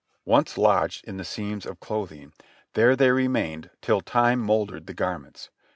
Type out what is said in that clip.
Once lodged in the seams of clothing, there they remained till time mouldered the garments.